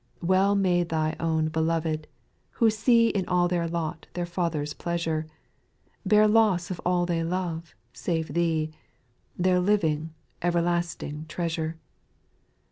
3. Well may Thy own belov'd, who see In all their lot their Father's pleasure, Bear loss of all they love, save Thee — Their living, everlasting treasure.